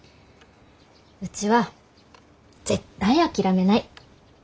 うちは絶対諦めない。